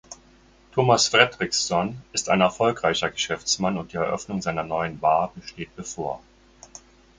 Thomas Fredriksson ist ein erfolgreicher Geschäftsmann und die Eröffnung seiner neuen Bar steht bevor.